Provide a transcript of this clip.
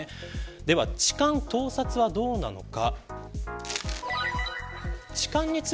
では、痴漢、盗撮はどうなのか。